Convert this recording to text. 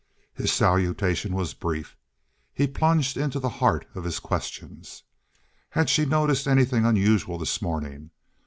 His salutation was brief; he plunged into the heart of his questions. Had she noticed anything unusual this morning?